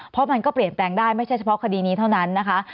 เพราะมันก็เปลี่ยนแปลงได้ไม่ใช่เฉพาะคดีนี้เท่านั้นนะคะ